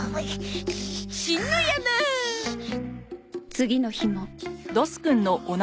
次の日も